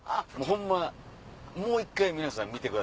ホンマもう１回皆さん見てください。